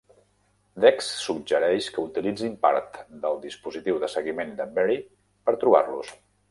Dex suggereix que utilitzin part del dispositiu de seguiment de Beary per trobar-los.